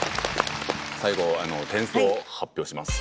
最後点数を発表します。